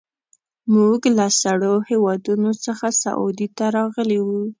موږ له سړو هېوادونو څخه سعودي ته راغلي وو.